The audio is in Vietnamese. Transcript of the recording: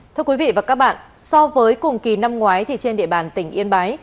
thưa quý vị và các bạn so với cùng kỳ năm ngoái thì trên địa bàn tỉnh yên bái